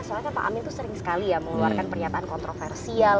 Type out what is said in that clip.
soalnya kan pak amin itu sering sekali ya mengeluarkan pernyataan kontroversial